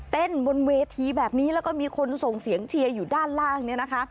แต้นบนเวทีแบบนี้แล้วก็ส่งเสียงเชียร์อยู่ด้านล่าง